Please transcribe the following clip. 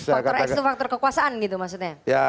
faktor x itu faktor kekuasaan gitu maksudnya